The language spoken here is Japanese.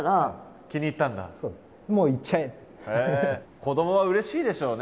子どもはうれしいでしょうね。